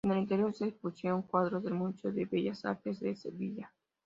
En el interior se expusieron cuadros del Museo de Bellas Artes de Sevilla.